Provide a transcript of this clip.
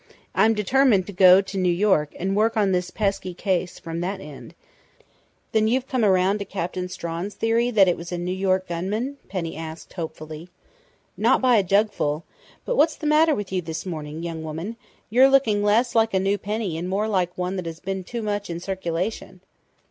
I'm determined to go to New York and work on this pesky case from that end " "Then you've come around to Captain Strawn's theory that it was a New York gunman?" Penny asked hopefully. "Not by a jugful!... But what's the matter with you this morning, young woman? You're looking less like a new penny and more like one that has been too much in circulation."